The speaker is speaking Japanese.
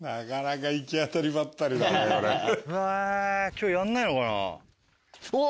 今日やんないのかな。